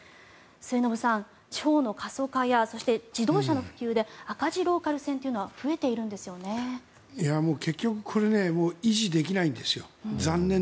末延さん、地方の過疎化やそして自動車の普及で赤字ローカル線というのは増えているんですよね。